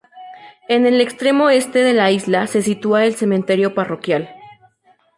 En el extremo este de la isla se sitúa el cementerio parroquial.